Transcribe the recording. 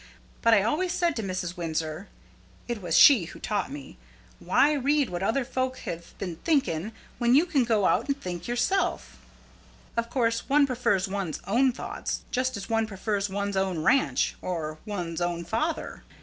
But I always said to Mrs. Windsor it was she who taught me why read what other folk have been thinking when you can go out and think yourself? Of course one prefers one's own thoughts, just as one prefers one's own ranch, or one's own father."